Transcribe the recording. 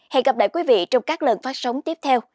hẹn gặp lại quý vị trong các lần phát sóng tiếp theo